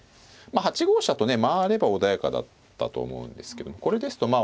まあ８五飛車とね回れば穏やかだったと思うんですけどもこれですと